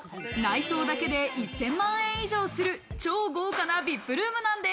内装だけで１０００万円以上する超豪華なＶＩＰルームなんです。